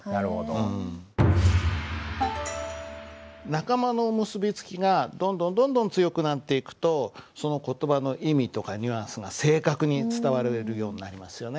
仲間の結び付きがどんどんどんどん強くなっていくとその言葉の意味とかニュアンスが正確に伝わるようになりますよね。